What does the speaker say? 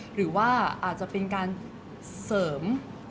หรือว่าอาจจะเป็นการเสริม